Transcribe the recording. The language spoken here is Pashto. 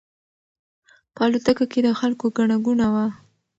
په الوتکه کې د خلکو ګڼه ګوڼه وه.